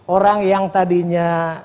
orang yang tadinya